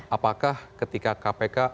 apakah ketika kpk